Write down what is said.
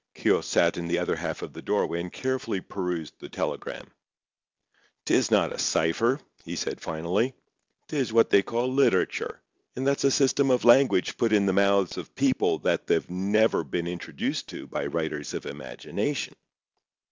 Keogh sat in the other half of the doorway, and carefully perused the telegram. "'Tis not a cipher," he said, finally. "'Tis what they call literature, and that's a system of language put in the mouths of people that they've never been introduced to by writers of imagination.